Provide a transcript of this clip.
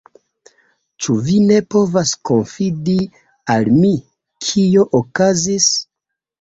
Ĉu vi ne povas konfidi al mi, kio okazis?